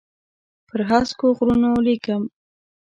پر هسکو غرونو لیکم